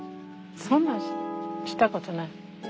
そんなんしたことない。